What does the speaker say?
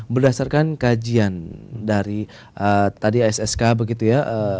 berdasarkan kajian dari tadi assk begitu ya